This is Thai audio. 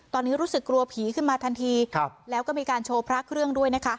ตอนนี้รู้สึกกลัวผีขึ้นมาทันทีแล้วก็มีการโชว์พระเครื่องด้วยนะคะ